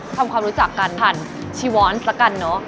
ทำความรู้จักกันผ่านชีวอนซะกันเนอะ